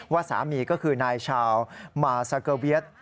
ว่าสามีก็คือนายชาวมาซาเกอเวียด